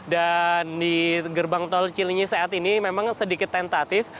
dan di gerbang tol cilanyi saat ini memang sedikit tentatif